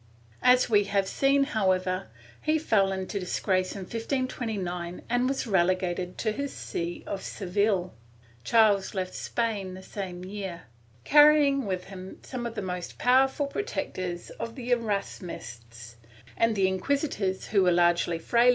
As we have seen, however, he fell into disgrace in 1529 and was relegated to his see of Seville; Charles left Spain the same year, carrying with him some of the most powerful protectors of the Erasmists, and the inquisitors, who were largely Chap.